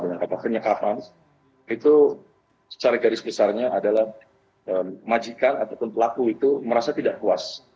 penyekapan penyekapan itu secara garis besarnya adalah majikan ataupun pelaku itu merasa tidak puas